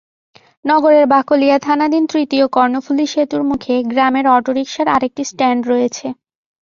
নগরের বাকলিয়া থানাধীন তৃতীয় কর্ণফুলী সেতুর মুখে গ্রামের অটোরিকশার আরেকটি স্ট্যান্ড রয়েছে।